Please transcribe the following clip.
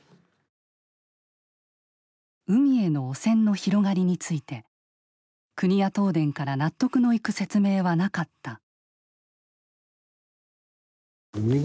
海への汚染の広がりについて国や東電から納得のいく説明はなかった。